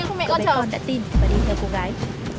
cô bé con đã tin và đi theo cô gái